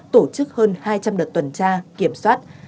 tổ chức hơn hai trăm linh đợt tuần tra kiểm soát